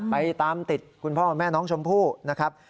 ไปตามติดคุณพ่อแม่น้องชมพู่นะครับ